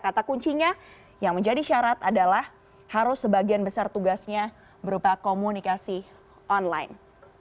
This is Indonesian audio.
kata kuncinya yang menjadi syarat adalah harus sebagian besar tugasnya berupa komunikasi online